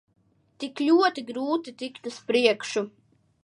Tik ļoti grūti tikt uz priekšu.